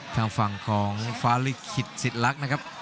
ทางฝั่งของฟ้าลิขฤทธิ์ศิษย์รักนะครับ